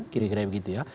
kira kira begitu ya